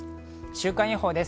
週間予報です。